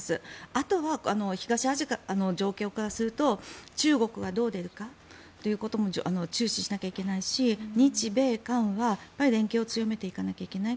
あとは東アジアの状況からすると中国がどう出るかということも注視しなければいけないし日米韓は連携を強めていかなくちゃいけない。